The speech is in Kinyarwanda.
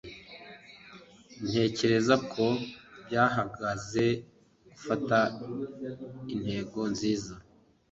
ntekereza ko byahagaze gufata intego nziza